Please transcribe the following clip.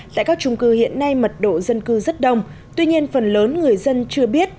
tại các trung cư hiện nay mật độ dân cư rất đông tuy nhiên phần lớn người dân chưa biết